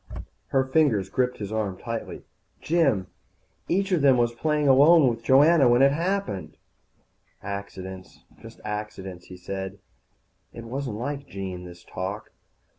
Her fingers gripped his arm tightly. "Jim, each of them was playing alone with Joanna when it happened." "Accidents, just accidents," he said. It wasn't like Jean, this talk.